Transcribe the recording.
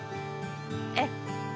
ええ。